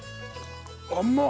甘っ！